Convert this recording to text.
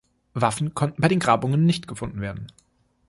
Waffen konnten bei den Grabungen nicht gefunden werden.